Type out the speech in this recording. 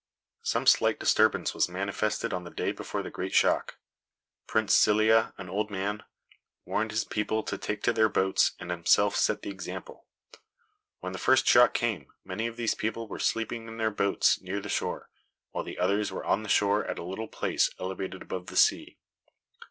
Some slight disturbance was manifested on the day before the great shock. Prince Scylla, an old man, warned his people to take to their boats, and himself set the example. When the first shock came, many of these people were sleeping in their boats near the shore, while the others were on the shore at a little place elevated above [Illustration: THE DISASTER OF SCYLLA.] the sea.